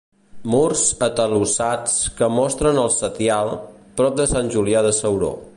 Murs atalussats que mostren el setial, prop de Sant Julià de Ceuró.